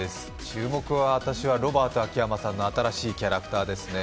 注目は私はロバート秋山さんの新しいキャラクターですね。